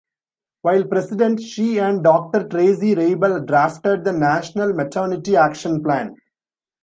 While President, she and Doctor Tracy Reibel drafted the National Maternity Action Plan.